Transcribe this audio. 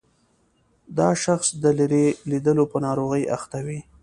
دا شخص د لیرې لیدلو په ناروغۍ اخته وي.